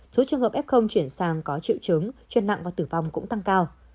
số trường hợp f chuyển sang có triệu chứng chuyển nặng và tử vong cũng tăng cao